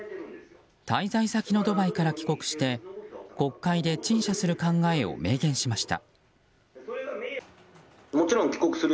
滞在先のドバイから帰国して国会で陳謝する考えを明言しました。